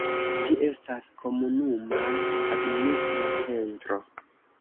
Ĝi estas komunuma administra centro.